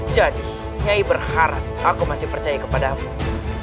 jadi nyai berharap aku masih percaya kepada hamba itu